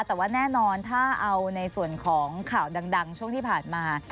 แต่ว่าแน่นอนถ้าเอาในส่วนของข่าวดังช่วงที่ผ่านมา